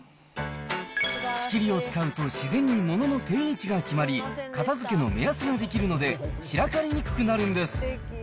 仕切りを使うと、自然に物の定位置が決まり、片づけの目安ができるので、散らかりにくくなるんです。